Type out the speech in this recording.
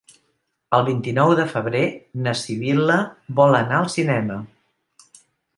El vint-i-nou de febrer na Sibil·la vol anar al cinema.